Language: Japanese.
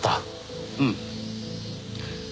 うん。